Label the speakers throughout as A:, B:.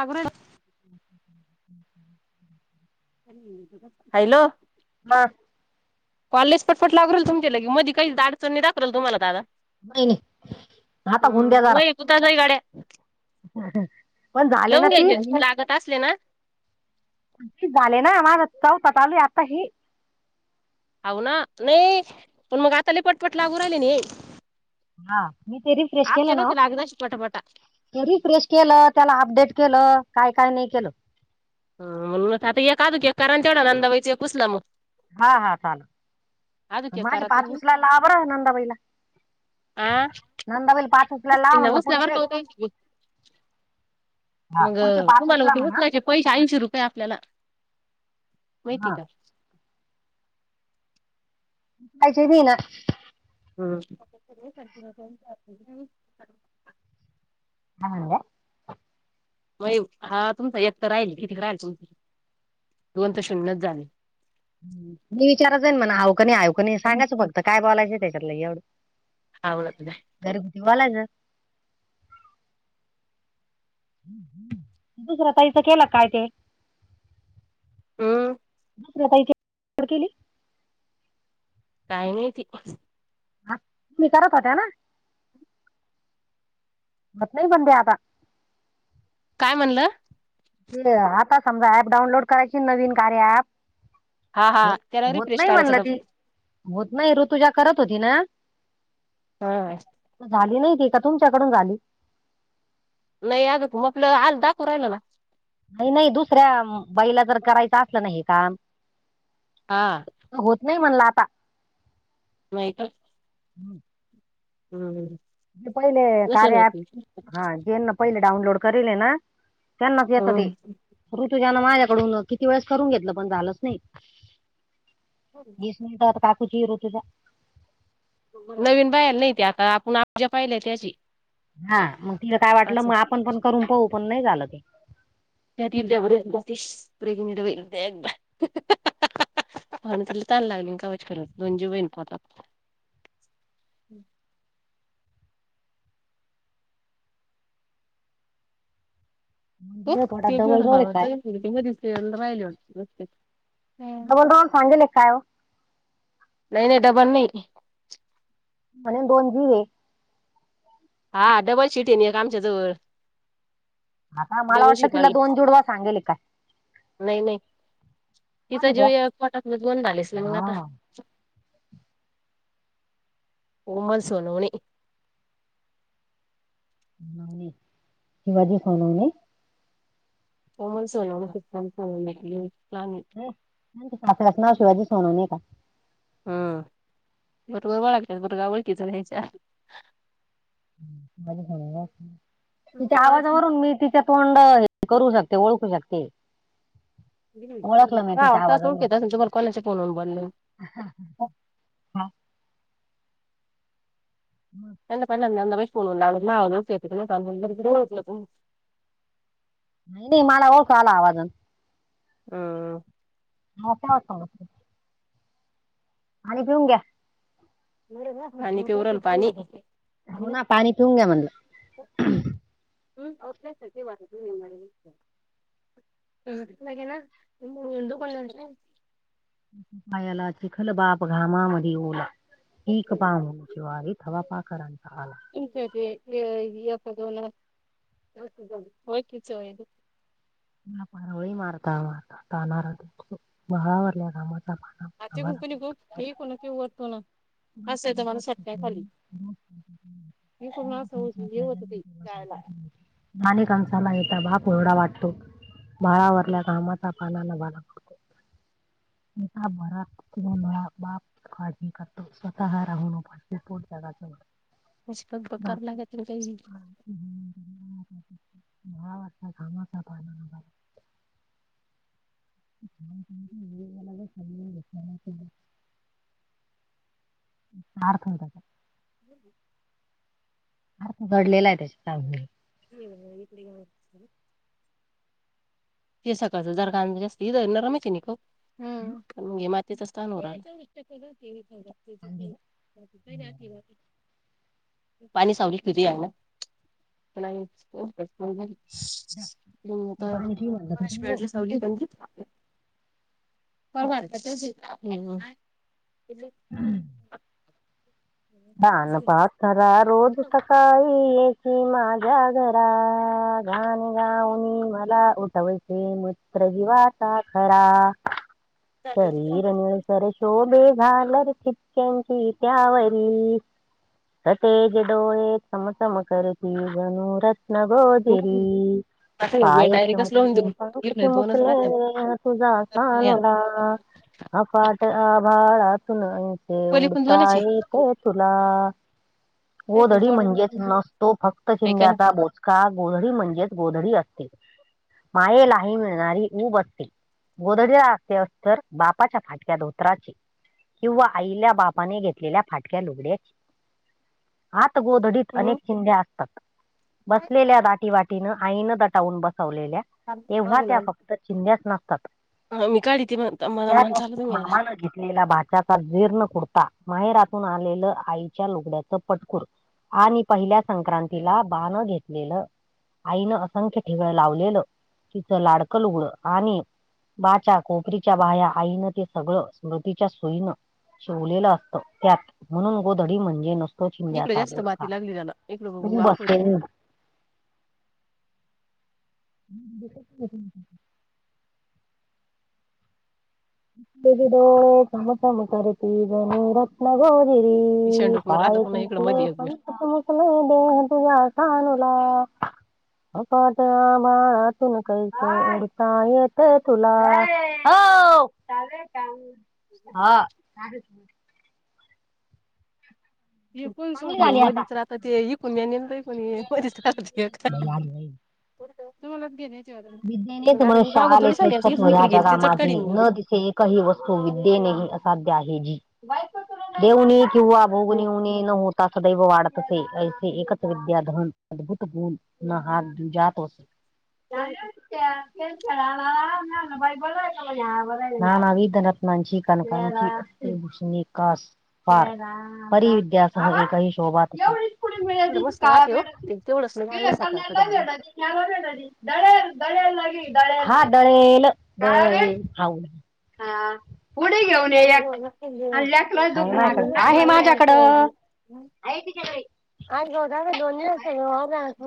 A: लागू राहिलं.
B: [inaudible]
A: [inaudible] हॅलो!
B: मं
A: कॉलेज पटपट लागुन राहिली तुमच्याल्यागी, मध्ये काहीच अडचण नाही दाखवली तुम्हाला दादा.
B: नाही-नाही, आता होऊन द्या जरा.
A: [inaudible] गाड्या,
B: पण झाले
A: लवून
B: ना तीस
A: घ्यायच्या, लागत असल्या ना?
B: झाले ना [inaudible] आत्ता, का चालू आहे आता हे?
A: हाव ना! नाही, पण मग आताले पटपट लागू राहिले नाइ.
B: हा, मी ते रिफ्रेश केलं ना?
A: नव्हते लागत अशी पटापटा.
B: ते रिफ्रेश केलं, त्याला अपडेट केलं, काय-काय नाही केलं?
A: ह, म्हणूनच आता एक अजून एक करा, अन जेवढा धंदा होईल, एक उचला मग.
B: हा, हा! चालेल.
A: अजूक एक
B: माझे
A: करा
B: पाच
A: तुम्ही.
B: उचलायला लावा बरं नंदाबाईला.
A: आ
B: नंदाबाईला पाच उचलायला लावा
A: उचलीन ना
B: म्हणलं
A: उचला बरं
B: पुढचे.
A: का ओ ताई
B: हा
A: मग,
B: पुढचे पाच
A: तुम्हाला
B: उचला म्हणा
A: उचलायचे पैसे ऐंशी रुपये आपल्याला, माहिती
B: हा
A: का?
B: पैशेच येईना.
A: ह्म्म [inaudible]
B: [inaudible]
A: व्हय ओ, हा तुमचा एक तर राहीला. [inaudible] दोन तर शून्यच झाले.
B: मी विचारत जाईन म्हणा, हो का नाही? हो का नाही? सांगायचं फक्त
A: आवडत
B: काय बोलायचं त्याच्यातलं एवढं.
A: आवडत नाही.
B: घरगुती बोलायचं. दुसऱ्या ताईचा केला काय ते?
A: हम्.
B: ताथड केली [unintelligible]
A: काय माहिती.
B: हा तुम्ही करत होत्या ना? होत नाही पण ते आता.
A: काय म्हणलं.
B: ते आता समजा ॲप डाऊनलोड करायचीन. नवीन कार्या ॲप.
A: हा हा
B: होत
A: त्याला
B: होत
A: रिफ्रेश
B: नाही
A: करायचं
B: म्हणलं ती.
A: डबल
B: होत नाही. ऋतुजा करत होती ना.
A: ह.
B: झाली नाही ती. का तुमच्याकडून झाली?
A: नाही अजुक. मोपलं आज दाखू राहिलं ना.
B: नाही नाही दुसऱ्या बाईला जर करायचं असलं ना हे काम.
A: हा.
B: होत नाही म्हणल आता.
A: नाहीत.
B: [unintelligible]
A: हम्म हम्म.
B: ते पहिले कार्या ॲप. हा जेना पहिले डाऊनलोड करीले ना. त्यांनाच येताते.
A: हम्म
B: ऋतुजान माझ्याकडून किती वेळेस करून घेतलं. पण झालंच नाही. बीस मिनिटांत. [unintelligible] काकुची ऋतुजा.
A: नवीन बायाले नाही ते आता. आपण आपजा पाहिले त्याचे.
B: हा मग तिला काय वाटलं. म आपण पण करून पाहू. पण नाही झालं ते.
A: त्यातील देवरगॉफीश प्रेग्नेंट वेगैर [unintelligible] मनात लई तहाण लागली ना कवाची खरच. दोन जीवेना पोटात. हो
B: म्हणजे पोटात
A: ते
B: डबल
A: पेढा
B: रोल आहे काय
A: खवाचा दिस राहिले होते [unintelligible]
B: डबल राउंड सागेले का काय ओ?
A: नाही नाही डबल नाही.
B: म्हणेन दोन जीवे.
A: हा डबल शिटे ना एक आमच्या जवळ.
B: हा का? मला
A: डबल
B: वाटलं तिला
A: शिपाली
B: दोन जुडवा सांगेले काय?
A: नाही नाही. तिचा
B: म्हणे
A: जीव
B: त्या
A: एक. पोटातल दोन झालेस ना मग आता.
B: हा
A: कोमल सोनवणे.
B: शिवाजी सोनवणे.
A: कोमल सोनवणे, सिध्दांत सोनवणे ची बहिण लहानी.
B: तेच कापल्यात [unintelligible] नाव शिवाजी सोनवणे का?
A: ह. बरोबर ओळखत्यात. पुर गाव ओळखीचय त्याच्या.
B: तिच्या आवाजावरून मी तीच्या तोंड हे करू शकते. ओळखू शकते. ओळखलं मी
A: महा
B: तिच्या
A: आवाज तवाच ओळखूयेत असल तुम्हाला. कोनाच्या फोन वरुन बोल्याव.
B: हा हा [unintelligible] हम् [inaudible]
A: पहिल्यांदा नंदाबाईच्या फोनवरून लावला त. महा आवाज ओळखू येतो का नही काणू. पण बरोबर ओळखलं तुम्ही.
B: नाही नाही मला ओळखू आला आवाजंन.
A: ह.
B: हाक माक [unintelligible] आणि घिऊन घ्या.
A: पाणी प्युरल पाणी.
B: हो ना पाणी पिऊन घ्या म्हणलं
A: [inaudible] [inaudible]
B: पायाला चिखल बाप घामा मध्ये ओला पीक पा उंची व्हावी थवा पाखरांचा आला.
A: तुमचं ते एक दोन होय की चोय
B: त पारोळी मारता मारताणार बगावरल्या कामाचा
A: आ कुकणी खूप हे ना कि वाटतो ना. मी पूर्ण असं होत- हे होत ते जायला
B: [inaudible] नानेकांचाला यता बा कोरडा वाटतो. भाळावरल्या घामाचा पाना न भाला पडतो. [inaudible] स्वतः राहून उपाशी पोट जगाचं भरतो.
A: कर
B: [inaudible]
A: लागत आणि काही
B: मला वाटता कामाचा भार हाय. [inaudible] हार थनथनात.
A: [unintelligible]
B: अर्थ दडलेला आहे तेच्या. [unintelligible]
A: [unintelligible] फिर् सकास हजार का जास्त हदर ना रमायच नि काऊ.
B: हम्.
A: न मातच असताानूरा. [inaudible]
B: कांदे घालून
A: पाणी सावली कती आहे ना
B: मी
A: प
B: पाणी पिऊ म्हणलं तुझं
A: [unintelligible] परवा ते
B: हम्म.
A: [inaudible]
B: सरा रोज सकाळी येसी माझ्या घरा गाणी गाऊणी मला उठव हे मत्र ह वाता खरा. शरीर निळसर शोभे घालर चितक्यांची त्याव वरी सतेज डोळे चम चम करती जनु रत न गोजिर.
A: हम्म. आता एवढे
B: पाया
A: डायरेक्टच लावून
B: चेमुकले
A: देऊ
B: पंख
A: इकडे दोनच राहत्या
B: चेमुकले तुझा
A: तर तुम्ही या
B: सानुला आप पाट आभाळातून ऐसे
A: पली पण दोनच आहे
B: उडताय तुला
A: नाहीत मग
B: वधडी
A: तोड
B: म्हणजेच नसतो फक्त
A: काय का
B: शिंद्याचा बोच का गोधडी म्हणजेच गोधडी असते मायेलाही मिळणारी उऊब असते. गोदडीला असते अस्तर बापाच्या फाटक्या धोत्राची. किंवा आईल्या बापाने घेतलेल्या फाटक्या लुगड्याची. आत गोधडीत अनेक चिंध्या असतात बसलेल्या दाटीवाटी तिनं आईन दटावून बसवलेल्या तेव्हा त्या फक्त चिंध्याच नसतात.
A: मी काढी ते म्हणता मला
B: त्यात
A: मन चालू
B: असतो
A: तुम्ही आता
B: मामान घेतलेला भाचा जीर्ण कुडता, माहेरातून आलेलं आईच्या लुगड्याचं पटकूर आणि पहिल्या संक्रांतीला बाण घेतलेलं आईनं असंख्य ठिगळ लावलेलं तिचं लाडकं लुगडं आणि बाच्या कोपरीच्या बाया आईनं ते सगळं स्मृतीच्या सुईनं शिवलेलं असतं त्यात म्हणून गोधडी म्हणले नस तो
A: इकडे
B: शिंग्याचा
A: जास्त माती लागली त्याला इकडे बघू आखवती ना
B: [unintelligible] [unintelligible] बघडो चम चम करती जणू रत्न गौ
A: ईशान
B: मरी
A: डोकून राहता
B: पाय
A: पुन्हा इकडे
B: चमकले
A: मध्ये एक वेळ
B: पंख चम [unintelligible] अफाट आभाळातून करीतो काय येतय तुला हऊ हा. [unintelligible] झाली आता लई आली, लई.
A: [unintelligible] [unintelligible]
B: विद्येनेच
A: मग आता मी
B: मनुष्य
A: मागून
B: आले
A: थोडी सांगायचं
B: श्रेष्ठत्व
A: इथून
B: ह्या
A: इकडे गेली
B: जगा
A: ते चट
B: माझी
A: काढी मी उद्या
B: न दिसें काही वस्तू विद्येने असाध्य आहे जी देऊनी किंवा होऊनी उणी न होत. सदैव वाढतसे ऐसे एकच विद्या धन अद्भुत गुण न हात दुजात होसे.
A: इकडे
B: [unintelligible] [unintelligible] [unintelligible]
A: मस्त वाटे हो ते तेवढंच नाही आणलं सकाळचं
B: [unintelligible] [unintelligible] हा पुढे घेऊन.
A: दहा दोन्ही
B: [unintelligible] आहे
A: सगळं
B: माझ्याकडं
A: जाण्याचं
B: आहे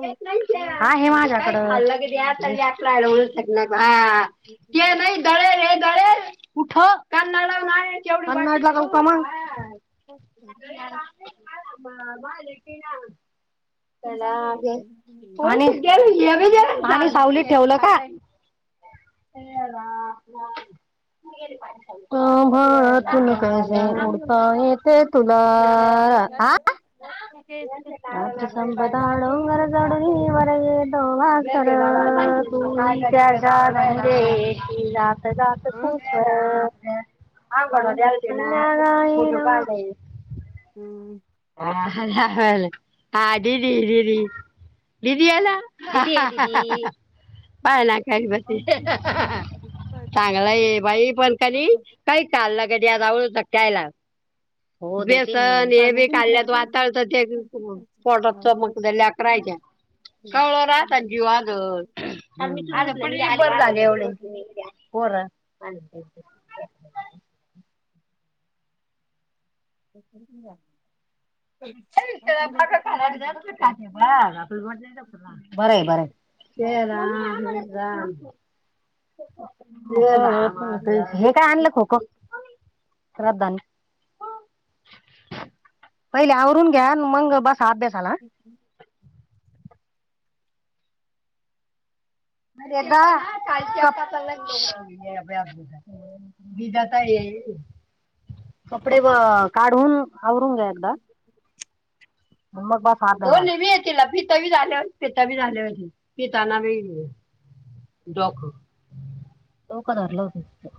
B: देत नाही त्या. आहे माझ्याकडं. काय खाल्लं की द्या [unintelligible] [unintelligible]
A: ओके.
B: [unintelligible] त्याला आणि हा सावलीत ठेवलं का. [unintelligible] [unintelligible] आ
A: [unintelligible]
B: [unintelligible] [unintelligible]
A: हम्म कोण
B: [unintelligible]
A: हम्म
B: [unintelligible] दीदी आला हा पाळण्या खाली बसली
A: सोयाबीन
B: चांगल हाय बाई पण कनी काय [unintelligible] [unintelligible] कवळ राहतात जीव आग [unintelligible] अरे पण निब्बर झालं
A: पण
B: एवढं
A: इकडे
B: [unintelligible] कोरा [unintelligible]
A: [unintelligible]
B: [inaudible] बरय बरय ते राम हे राम [unintelligible] हेक काय आणलं खोक कोणी श्रद्धानी पहिल आवरून घ्या अनं मंग बसां अभ्यासाला ह
A: [unintelligible]
B: अरे बा कालच्या [unintelligible] मी जाता ये कपडे व काढून आवरून घ्या एकदा म मग बसां अभ्यासाला दोनी बी ये तिला पित बी झाले होते पीत बी झाले होते पिताना बघितले डॉक डोक धरलं होत तीच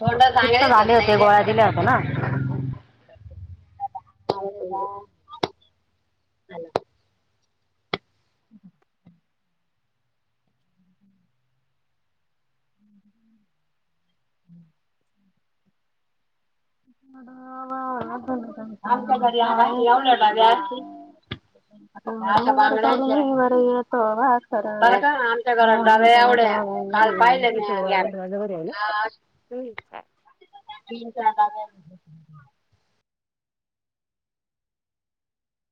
B: पित्त झाले होते गोळ्या दिल्या होत्या ना. हरे राम [inaudible] [inaudible] [unintelligible] आमच्या घरी येवला [unintelligible] असती. [unintelligible] आमचा घरात ढगा एवढ्या काल पाहिल मी [unintelligible]
A: तुही इच्छा य
B: तीन चार जागा म्हणून